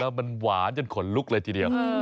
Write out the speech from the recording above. มันหวานจนขนลุกเลยทีเดียว